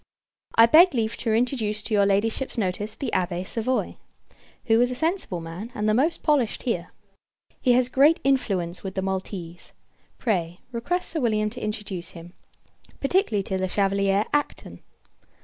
I beg leave to introduce to your Ladyship's notice the Abbé Savoye; who is a sensible man, and the most polished here. He has great influence with the Maltese. Pray, request Sir William to introduce him particularly to Le Chevalier Acton.